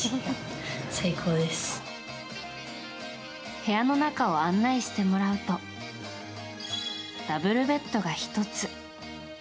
部屋の中を案内してもらうとダブルベッドが１つ。